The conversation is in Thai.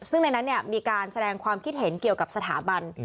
ซึ่งในนั้นมีการแสดงความคิดเห็นเกี่ยวกับสถาบัน